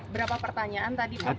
berapa pertanyaan tadi pak